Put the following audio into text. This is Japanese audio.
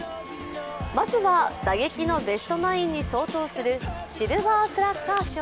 まずは打撃のベストナインに相当するシルバースラッガー賞。